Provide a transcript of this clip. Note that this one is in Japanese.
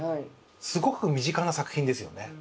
すごく身近な作品ですよね。